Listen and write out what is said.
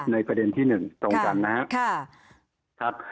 ในประเด็นที่๑ตรงกันนะครับ